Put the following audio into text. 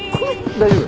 大丈夫？